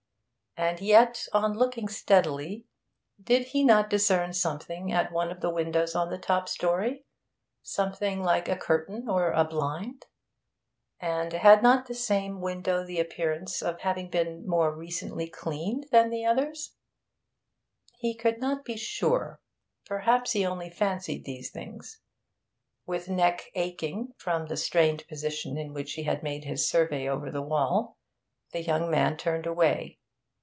And yet, on looking steadily, did he not discern something at one of the windows on the top story something like a curtain or a blind? And had not that same window the appearance of having been more recently cleaned than the others? He could not be sure; perhaps he only fancied these things. With neck aching from the strained position in which he had made his survey over the wall, the young man turned away.